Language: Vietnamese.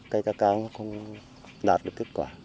cây cacao không đạt được kết quả